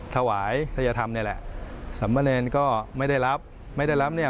ถวายทัยธรรมนี่แหละสำมะเนรก็ไม่ได้รับไม่ได้รับเนี่ย